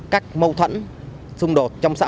các mâu thuẫn xung đột trong xã hội